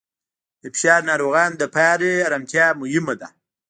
د فشار ناروغانو لپاره آرامتیا مهمه ده.